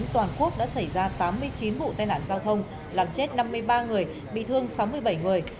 toàn quốc đã xảy ra tám mươi chín vụ tai nạn giao thông làm chết năm mươi ba người bị thương sáu mươi bảy người